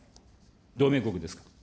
同盟国ですから。